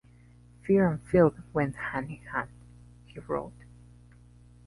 "Fear and filth went hand-in-hand," he wrote.